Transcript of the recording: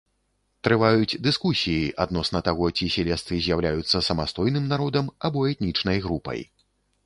Трываюць дыскусіі адносна таго ці сілезцы з'яўляюцца самастойным народам або этнічнай групай.